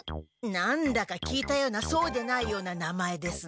何だか聞いたようなそうでないような名前ですな。